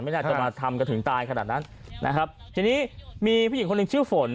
น่าจะมาทำกันถึงตายขนาดนั้นนะครับทีนี้มีผู้หญิงคนหนึ่งชื่อฝน